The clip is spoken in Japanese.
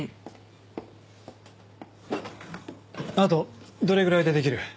あとどれぐらいでできる？